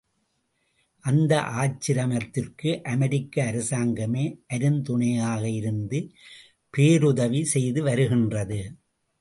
அந்த ஆசிரமத்திற்கு அமெரிக்க அரசாங்கமே அருந் துணையாக இருந்து பேருதவி செய்துவருகின்றது.